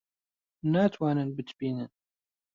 ناتوانن بتبینن.